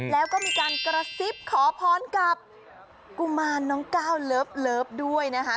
แล้วก็มีการกระซิบขอพรกับกุมารน้องก้าวเลิฟด้วยนะคะ